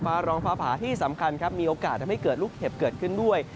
รองฟ้าผาที่สำคัญครับมีโอกาสทำให้เกิดลูกเห็บเกิดขึ้นด้วย